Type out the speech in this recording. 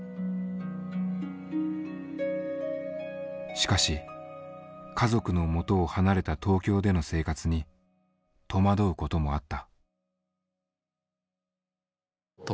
しかし家族のもとを離れた東京での生活に戸惑うこともあった。